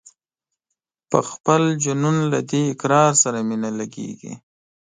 پر خپل جنون له دې اقرار سره مي نه لګیږي